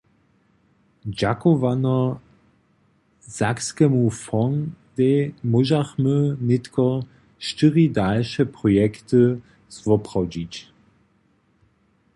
Dźakowano sakskemu fondsej móžachmy nětko štyri dalše projekty zwoprawdźić.